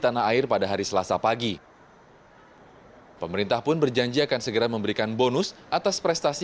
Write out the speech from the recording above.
tanah air pada hari selasa pagi pemerintah pun berjanji akan segera memberikan bonus atas prestasi